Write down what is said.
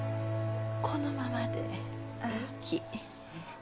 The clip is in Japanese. このままでえいき。